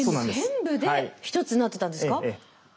全部で一つになってたんですか？